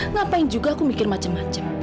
ngapain juga aku mikir macem macem